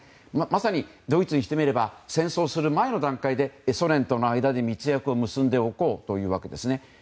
まさにドイツにしてみれば戦争する前の段階でソ連との間に密約を結んでおこうというわけですね。